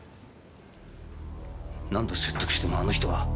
何度説得してもあの人は。